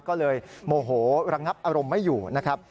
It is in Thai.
ก็เลยโมโหระงับอารมณ์ไม่อยู่นะครับ